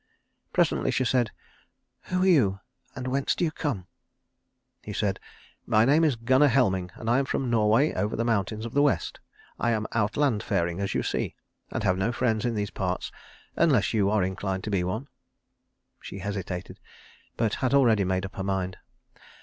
Presently she said, "Who are you, and whence do you come?" He said, "My name is Gunnar Helming, and I am from Norway over the mountains of the West. I am outland faring as you see, and have no friends in these parts, unless you are inclined to be one." She hesitated, but had already made up her mind.